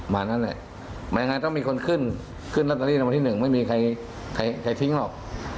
ไม่งั้นต้องมีคนขึ้นล็อตเตอรี่นะครับที่หนึ่งไม่มีใครทิ้งหรอก